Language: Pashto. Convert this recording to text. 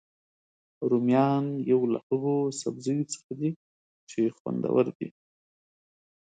رومیان یو له هغوسبزیو څخه دي چې خوندور دي